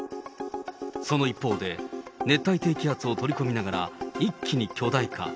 その一方で、熱帯低気圧を取り込みながら、一気に巨大化。